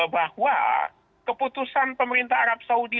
bahwa keputusan pemerintah arab saudi